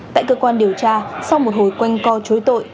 tại cơ quan điều tra sau một hồi quanh co chối tội